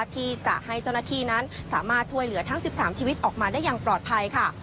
ที่จะให้เจ้าหน้าที่นั้นสามารถช่วยเหลือทั้ง๑๓ชีวิตออกมาได้อย่างปลอดภัยค่ะ